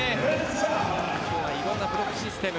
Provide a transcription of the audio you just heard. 今日はいろんなブロックシステム。